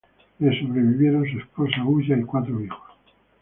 Le sobrevivieron su esposa Ulla y cuatro hijos.